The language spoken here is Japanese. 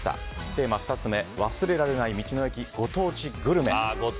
テーマ２つ目忘れられない道の駅ご当地グルメ。